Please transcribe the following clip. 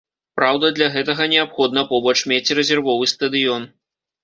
Праўда, для гэтага неабходна побач мець рэзервовы стадыён.